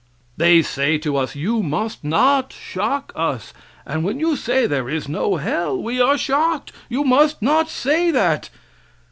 They say to us: "You must not shock us, and when you say there is no hell we are shocked. You must not say that."